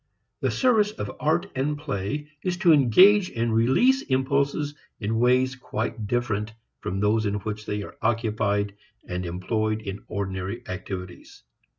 The service of art and play is to engage and release impulses in ways quite different from those in which they are occupied and employed in ordinary activities.